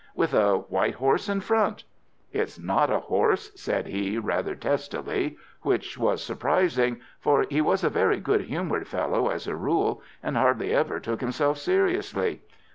"With a white horse in front!" "It's not a horse," said he, rather testily—which was surprising, for he was a very good humoured fellow as a rule, and hardly ever took himself seriously.